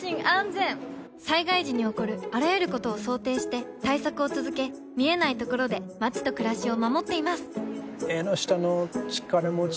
災害時に起こるあらゆることを想定して対策を続け見えないところで街と暮らしを守っていますエンノシタノチカラモチ？